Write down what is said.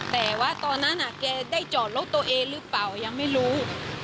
แต่ว่าตอนนั้นแกได้จอดรถตัวเองหรือเปล่ายังไม่รู้